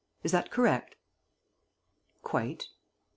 Is that correct?" "Quite."